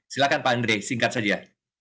silahkan pak andre singkat saja